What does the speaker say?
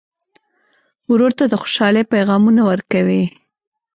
ورور ته د خوشحالۍ پیغامونه ورکوې.